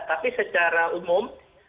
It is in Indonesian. tapi secara umum